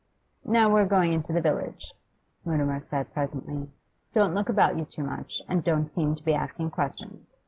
'Now we're going into the village,' Mutimer said presently. 'Don't look about you too much, and don't seem to be asking questions.